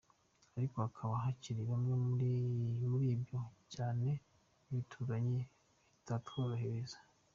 Ariko hakaba hakiri bimwe muri ibyo cyane by’ibituranyi bitarworohereza.